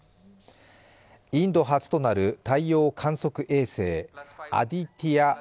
インド初となる太陽観測衛星アディティヤ